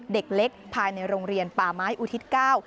เด็กเล็กภายในโรงเรียนป่าไม้อุทิศเก้า